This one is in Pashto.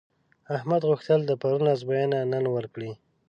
احمد غوښتل د پرون ازموینه نن ورکړي.